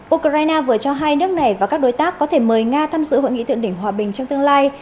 ukraine vừa cho hai nước này và các đối tác có thể mời nga tham dự hội nghị thượng đỉnh hòa bình trong tương lai